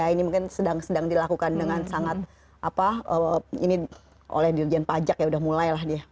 ini mungkin sedang dilakukan dengan sangat apa ini oleh dirjen pajak ya udah mulai lah dia